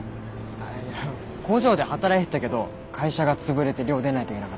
あいや工場で働いてたけど会社が潰れて寮出ないといけなかったんだ。